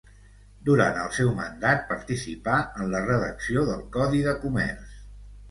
Durant el seu mandat participà en la redacció del Codi de Comerç.